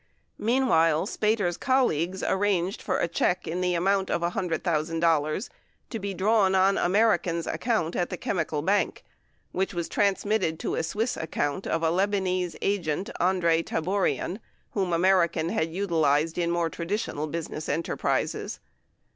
Meanwhile, Spater's colleagues arranged for a check in the amount of $100,000 to be drawn on American's account at the Chemical Bank, which w as transmitted to a Swiss account of a Lebanese agent, Andre Tabourian, whom American had utilized in more traditional business enterprises.